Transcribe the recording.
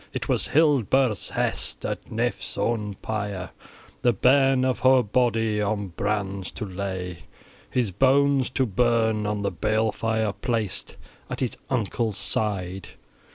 It was Hildeburh's hest, at Hnaef's own pyre the bairn of her body on brands to lay, his bones to burn, on the balefire placed, at his uncle's side.